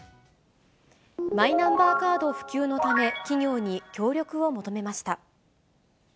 マイナンバーカード普及のため、企業に協力を求めました。